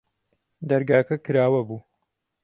دەرگاکە کراوە بوو.